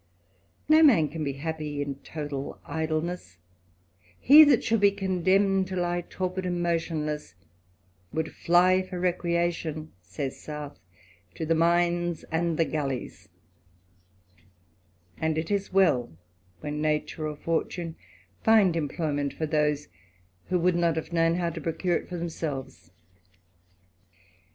No man can be happy in i idleness : he that should be condemned to lie torpid motionless, " would fly for recreation," says South, " to " mines and the galleys ;" and it is well, when natur< TttE ADVENTURER. 249 OTtune find employment for those, who would not have tuown how to procure it for themselves.